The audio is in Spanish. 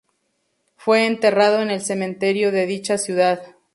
Fue enterrado en el Cementerio de dicha ciudad.